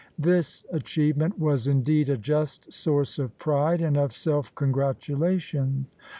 This achievement was indeed a just source of pride and self congratulation.